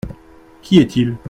Qui est-il ?